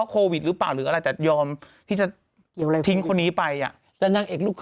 ก็พี่พูดของพี่มาใช่ป่ะไม่รู้